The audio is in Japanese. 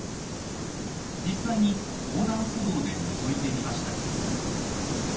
実際に横断歩道でのぞいてみました。